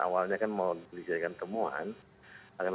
awalnya kan mau dijadikan temuan